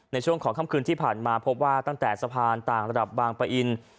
ในช่วงของค่ำคืนที่ผ่านมาพบว่าตั้งแต่สะพานต่างระดับบางปะอิน